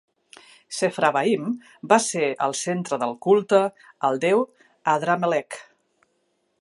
Sepharvaim va ser el centre del culte al déu Adramelech.